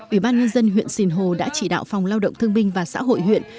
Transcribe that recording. ủy ban nhân dân huyện sìn hồ đã chỉ đạo phòng lao động thương minh và xã hội huyện